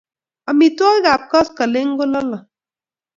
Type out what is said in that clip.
amitwokik ap koskoling ko lolong